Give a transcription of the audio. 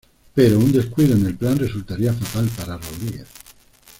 Pero un descuido en el plan resultaría fatal para Rodríguez.